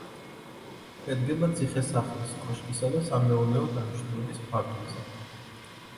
შედგება ციხე-სახლის, კოშკისა და სამეურნეო დანიშნულების ფარდულისაგან.